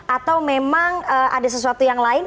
atau memang ada sesuatu yang lain